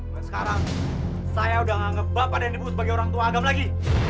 sekarang saya tidak akan menghukum bapak dan ibu sebagai orang tua agam lagi